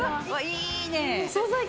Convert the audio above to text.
いいね。